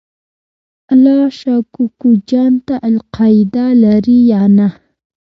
الله شا کوکو جان ته القاعده لرې یا نه؟